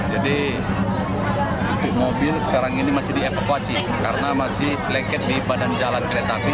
jadi mobil sekarang ini masih dievakuasi karena masih lengket di badan jalan kereta api